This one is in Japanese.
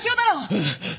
うん！